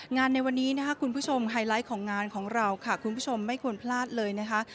ในวันนี้นะคะคุณผู้ชมไฮไลท์ของงานของเราค่ะคุณผู้ชมไม่ควรพลาดเลยนะคะ